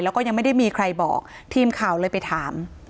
แล้วก็ยังไม่ได้มีใครบอกทีมข่าวเลยไปถาม